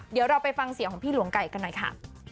เดี๋ยวเราไปฟังเสียงของพี่หลวงไก่กันหน่อยค่ะ